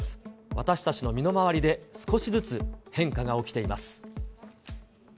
私たちの身の回りで少しずつ変化が起きています。